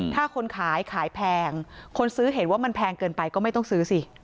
ถ้าคนขายขายแพงคนซื้อเห็นว่ามันแพงเกินไปก็ไม่ต้องซื้อสิ